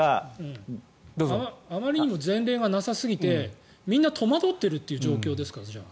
あまりにも前例がなさすぎてみんな戸惑っているという状況ですか？